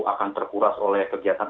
akan terkuras oleh kegiatan